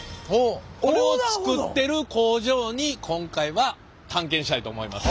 これを作ってる工場に今回は探検したいと思います。